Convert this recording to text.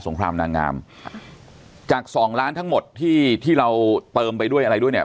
งครามนางงามจากสองล้านทั้งหมดที่ที่เราเติมไปด้วยอะไรด้วยเนี่ย